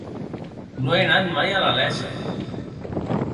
No he anat mai a la Iessa.